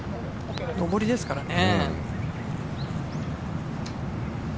上りですからね。